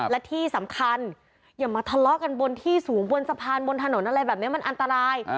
และที่สำคัญอย่ามาทะเลาะกันบนที่สูงบนสะพานบนถนนอะไรแบบนี้มันอันตราย